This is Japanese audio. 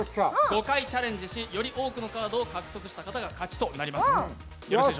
５回チャレンジし、より多くのカードを獲得した方の勝ちです。